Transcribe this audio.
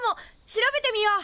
調べてみよう。